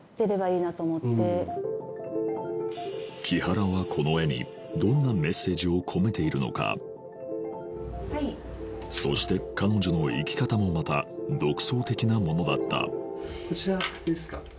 木原はこの絵にどんなメッセージを込めているのかそして彼女の生き方もまた独創的なものだったこちらですか？